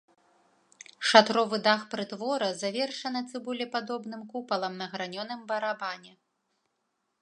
Шатровы дах прытвора завершаны цыбулепадобным купалам на гранёным барабане.